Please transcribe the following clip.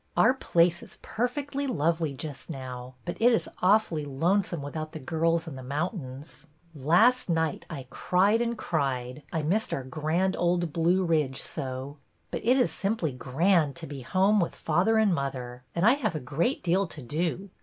Our place is perfectly lovely just now; but it is awfully lonesome without the girls and the mountains. Last night I cried and cried, I missed our grand old Blue Ridge so. But it is simply grand to be home with father and mother, and I have a great deal to do.